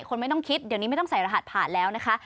ไม่ต้องคิดเดี๋ยวนี้ไม่ต้องใส่รหัสผ่านแล้วนะคะ